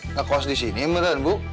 enggak kuas di sini beneran bu